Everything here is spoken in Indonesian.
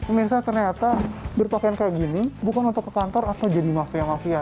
pemirsa ternyata berpakaian kayak gini bukan untuk ke kantor atau jadi mafia mafia